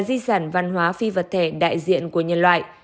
di sản văn hóa phi vật thể đại diện của nhân loại